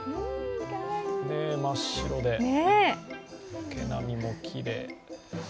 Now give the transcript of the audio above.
真っ白で毛並みもきれい。